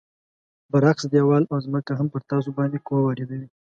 برعکس دیوال او ځمکه هم پر تاسو باندې قوه واردوي.